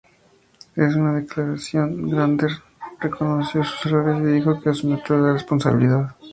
En una declaración, Gardner reconoció sus errores y dijo que asumió toda la responsabilidad.